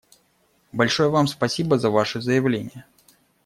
Большое Вам спасибо за Ваше заявление.